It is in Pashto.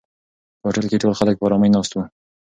په هوټل کې ټول خلک په آرامۍ ناست وو.